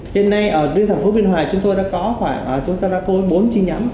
hiện nay ở riêng thành phố bình hòa chúng tôi đã có khoảng bốn chi nhánh